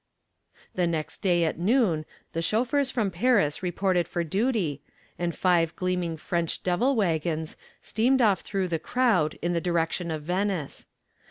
The next day at noon the chauffeurs from Paris reported for duty, and five gleaming French devil wagons steamed off through the crowd in the direction of Venice.